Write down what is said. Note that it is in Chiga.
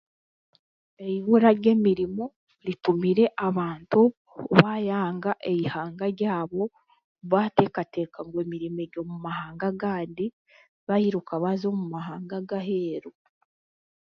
Eibura ry'emirimo ritumire abantu baayanga eihanga ryabo, baateekateeka ngu emirimo eri omu mahanga agandi baayiruka baza omu mahanga g'aheeru.